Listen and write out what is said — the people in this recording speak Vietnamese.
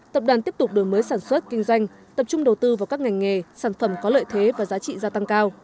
tập đoàn tiếp tục đổi mới sản xuất kinh doanh tập trung đầu tư vào các ngành nghề sản phẩm có lợi thế và giá trị gia tăng cao